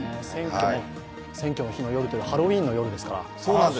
選挙の日の夜、ハロウィーンの夜ですから。